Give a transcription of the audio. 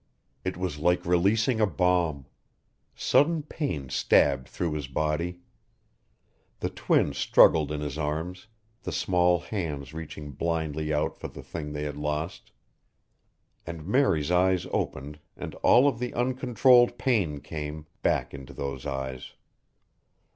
It was like releasing a bomb. Sudden pain stabbed through his body. The twin struggled in his arms, the small hands reaching blindly out for the thing they had lost. And Mary's eyes opened and all of the uncontrolled pain came, back into those eyes.